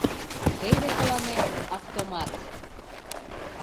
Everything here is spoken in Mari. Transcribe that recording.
Теве тыланет автомат.